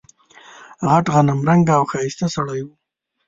غټ غنم رنګه او ښایسته سړی و.